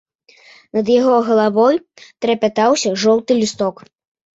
Над яго галавой трапятаўся жоўты лісток.